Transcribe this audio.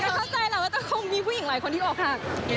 แต่ก็เข้าใจแล้วว่าจะคงมีผู้หญิงหลายคนที่ออกฮัก